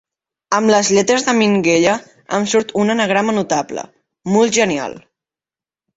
Amb les lletres de Minguella em surt un anagrama notable: “Mul genial”.